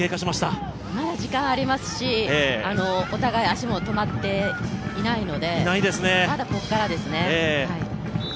まだ時間ありますし、お互い足も止まっていないのでまだここからですね。